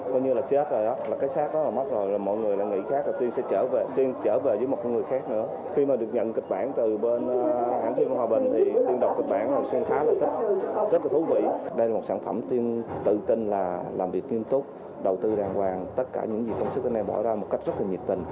mình là làm việc nghiên tốt đầu tư đàng hoàng tất cả những gì sống sức này bỏ ra một cách rất nhiệt tình